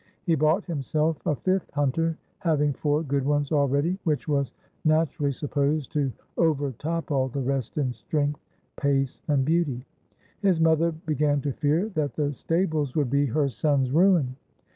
He bought himself a fifth hunter — having four good ones already — which was natur ally supposed to overtop all the rest in strength, pace, and beauty. His mother began to fear that the stables would be her son's ruin.